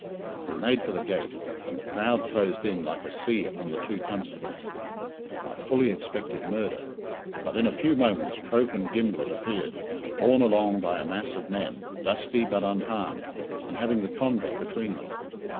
We made for the gate, and the crowd closed in like a sea upon the two constables. I fully expected murder, but in a few moments Troke and Gimblett appeared, borne along by a mass of men, dusty, but unharmed, and having the convict between them.